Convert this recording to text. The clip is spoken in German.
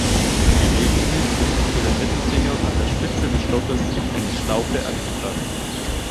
Gelegentlich wird für den Mittelfinger an der Spitze des Stoffes eine Schlaufe angebracht.